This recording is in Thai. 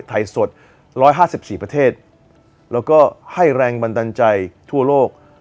ไทยสด๑๕๔ประเทศแล้วก็ให้แรงบันดาลใจทั่วโลก